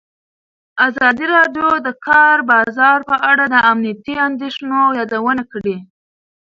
ازادي راډیو د د کار بازار په اړه د امنیتي اندېښنو یادونه کړې.